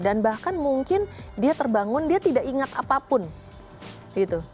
dan bahkan mungkin dia terbangun dia tidak ingat apapun gitu